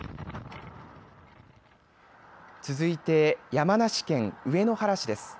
続いて山梨県上野原市です。